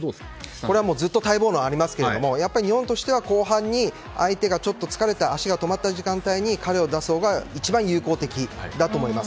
これはずっと待望、ありますけども後半に相手が疲れて足が止まった時間帯に彼を出すのが一番有効的だと思います。